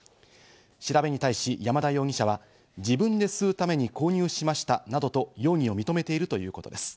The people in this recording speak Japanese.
調べに対し山田容疑者は自分で吸うために購入しましたなどと容疑を認めているということです。